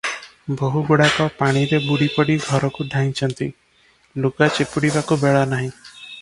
ବୋହୂଗୁଡ଼ାକ ପାଣିରେ ବୁଡ଼ିପଡ଼ି ଘରକୁ ଧାଇଁଛନ୍ତି, ଲୁଗା ଚିପୁଡ଼ିବାକୁ ବେଳନାହିଁ ।